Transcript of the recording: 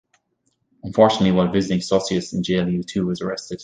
Unfortunately, while visiting Sossius in jail, he too was arrested.